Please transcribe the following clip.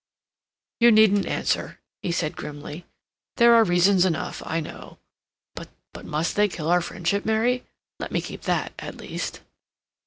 "You needn't answer," he said grimly. "There are reasons enough, I know. But must they kill our friendship, Mary? Let me keep that, at least."